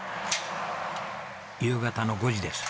夕方の５時です。